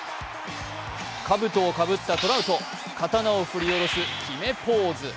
かぶとをかぶったトラウト刀を振り下ろす決めポーズ。